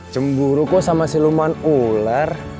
cemburu kok sama siluman ular